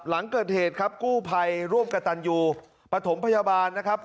หลังเกิดเหตุครับกู้ภัยร่วมกับตันยูปฐมพยาบาลนะครับ